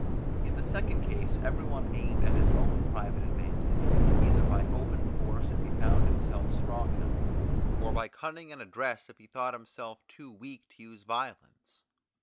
In the second case every one aimed at his own private advantage, either by open force if he found himself strong enough, or by cunning and address if he thought himself too weak to use violence.